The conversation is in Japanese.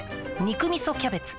「肉みそキャベツ」